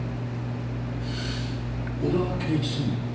小田啓一専務は？